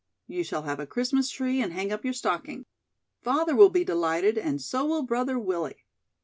You shall have a Christmas tree and hang up your stocking. Father will be delighted and so will Brother Willie."